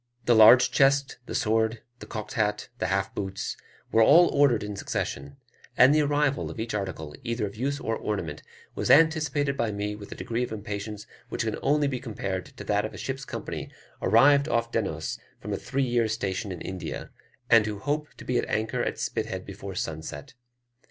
The large chest, the sword, the cocked hat, the half boots, were all ordered in succession; and the arrival of each article either of use or ornament was anticipated by me with a degree of impatience which can only be compared to that of a ship's company arrived off Dennose from a three years' station in India, and who hope to be at anchor at Spithead before sunset.